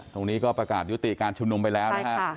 ตรงนี้ก็ประกาศยุติการชุมนุมไปแล้วนะฮะ